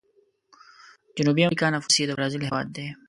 جنوبي امريکا نفوس یې د برازیل هیواد دی.